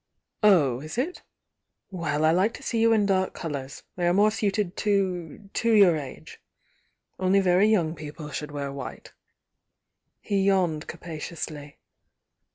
"Oh is it' Well, I like to see you in dark colours —they are more suited to— to your age. Only very voune people should wear white. ' He yawned capaciously.